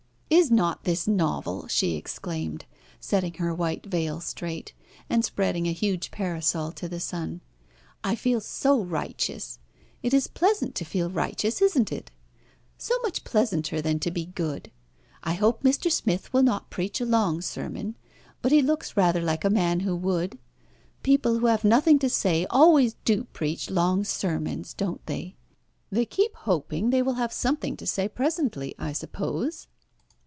"Is not this novel?" she exclaimed, setting her white veil straight, and spreading a huge parasol to the sun. "I feel so righteous. It is pleasant to feel righteous, isn't it? So much pleasanter than to be good. I hope Mr. Smith will not preach a long sermon; but he looks rather like a man who would. People who have nothing to say always do preach long sermons, don't they? They keep hoping they will have something to say presently, I suppose."